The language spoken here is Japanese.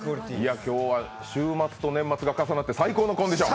今日は週末と年末が重なって、最高のコンディション。